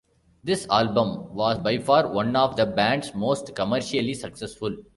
This album was by far one of the band's most commercially successful.